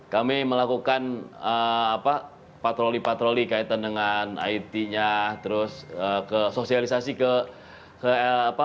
kami melakukan patroli patroli kaitan dengan it nya terus ke sosialisasi ke